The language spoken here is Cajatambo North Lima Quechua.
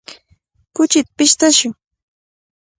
Kuchita pishtashun.